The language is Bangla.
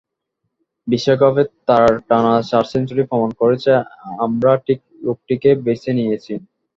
বিশ্বকাপে তাঁর টানা চার সেঞ্চুরি প্রমাণ করেছে আমরা ঠিক লোকটিকেই বেছে নিয়েছি।